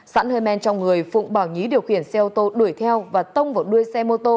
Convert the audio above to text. sẵn hơi men trong người phụng bảo nhí điều khiển xe ô tô đuổi theo và tông vào đuôi xe mô tô